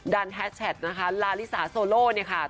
ดันแฮชแชทนะคะลาลิซ่าโซโล่เนี่ยค่ะ